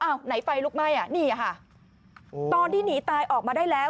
ไหนไฟลุกไหม้อ่ะนี่ค่ะตอนที่หนีตายออกมาได้แล้ว